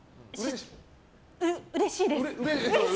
うれしいです。